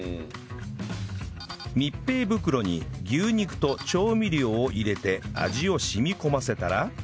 密閉袋に牛肉と調味料を入れて味を染み込ませたら